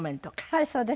はいそうですね。